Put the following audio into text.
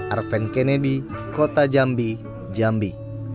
arven kennedy kota jambi jambi